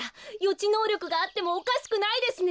ちのうりょくがあってもおかしくないですね！